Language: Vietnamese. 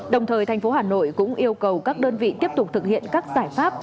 đồng thời thành phố hà nội cũng yêu cầu các đơn vị tiếp tục thực hiện các giải pháp